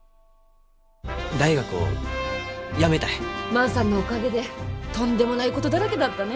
万さんのおかげでとんでもないことだらけだったね。